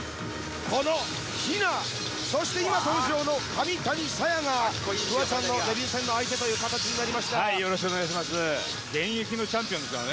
この妃南そして今登場の上谷沙弥がフワちゃんのデビュー戦の相手という形になりました。